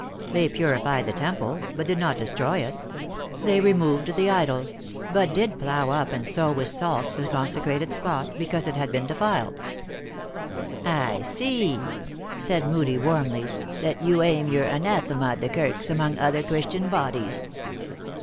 They purified the temple, but did not destroy it. They removed the idols, but did plough up and sow with salt the consecrated spot, be cause it had been defiled." " I see" said Moodie warmly, " that you aim } r our anathema at the Kirks among other Christian bodies."